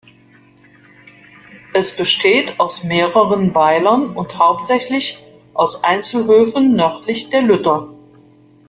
Es besteht aus mehreren Weilern und hauptsächlich aus Einzelhöfen nördlich der Lütter.